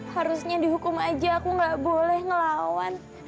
harusnya dihukum aja aku gak boleh ngelawan